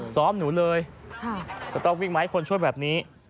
น้องเธอต้องวิ่งมะให้คนช่วยแบบนี้